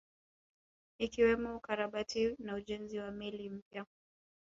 Ikiwemo ukarabati na ujenzi wa meli mpya